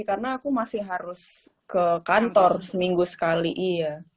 karena aku masih harus ke kantor seminggu sekali iya